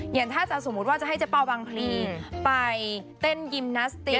อย่างถ้าสมมุติว่าจะให้เจ๊เป่าบางพลีไปเต้นยิมนาสเตีย